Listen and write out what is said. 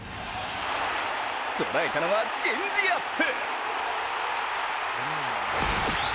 捉えたのはチェンジアップ。